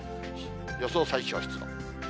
予想最小湿度。